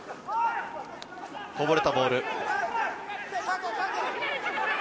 こぼれたボール。